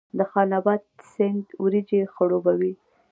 د خان اباد سیند وریجې خړوبوي